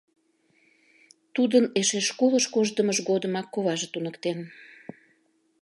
Тудын эше школыш коштдымыж годымак коваже туныктен.